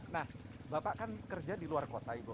nah bapak kan kerja di luar kota ibu